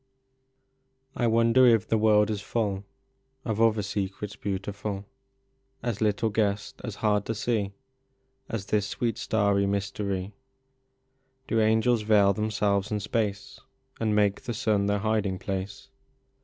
I wonder if the world is full Of other secrets beautiful, As little guessed, as hard to see, As this sweet starry mystery? Do angels veil themselves in space, And make the sun their hiding place?